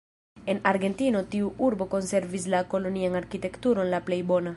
En Argentino tiu urbo konservis la kolonian arkitekturon la plej bona.